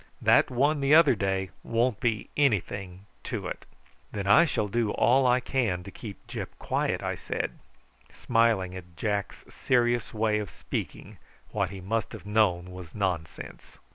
That one the other day won't be anything to it." "Then I shall do all I can to keep Gyp quiet," I said, smiling at Jack's serious way of speaking what he must have known was nonsense.